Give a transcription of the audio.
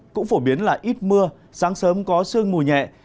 cũng phổ biến là ít mưa sáng sớm có sương mù nhẹ